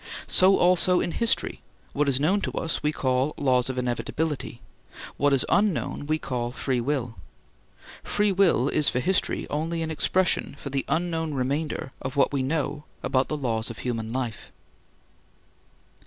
So also in history what is known to us we call laws of inevitability, what is unknown we call free will. Free will is for history only an expression for the unknown remainder of what we know about the laws of human life.